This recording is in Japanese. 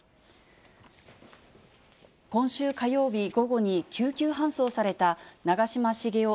今週火曜日午後に、救急搬送された長嶋茂雄